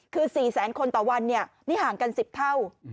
คือ๔แสนคนต่อวันนี่ห่างกัน๑๐เท่า